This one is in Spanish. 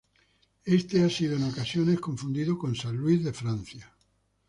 Este ha sido en ocasiones confundido con san Luis de Francia.